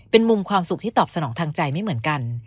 เป็นมุมความสุขที่ตอบสนองทางใจไม่เหมือนกัน